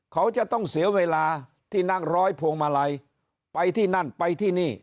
เขาจะต้องเสียเวลาที่นั่งร้อยพวงมาลัยไปที่นั่นไปที่นี่